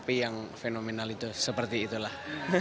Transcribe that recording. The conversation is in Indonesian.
tapi yang fenomenal itu seperti itulah